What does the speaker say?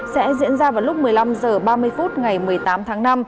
sẽ diễn ra vào lúc một mươi năm h ba mươi phút ngày một mươi tám tháng năm